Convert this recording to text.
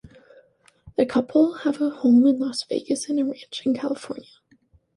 The couple have a home in Las Vegas and a ranch in California.